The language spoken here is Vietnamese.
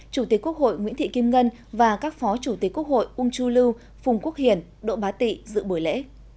chủ tịch quốc hội nguyễn thị kim ngân và các phó chủ tịch quốc hội uông chu lưu phùng quốc hiển đỗ bá tị dự buổi lễ